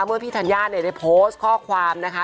เมื่อพี่ธัญญาเนี่ยได้โพสต์ข้อความนะคะ